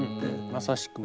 まさしく。